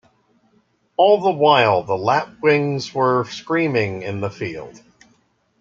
All the while the lapwings were screaming in the field.